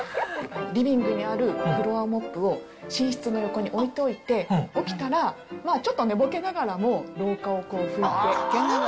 リビングにあるフロアモップを寝室の横に置いといて、起きたらちょっと寝ぼけながらも、廊下を拭いて。